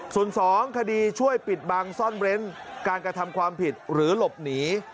ส่วน๒คดีช่วยปิดบังซ่อนเร้นการกระทำความผิดหรือหลบหนี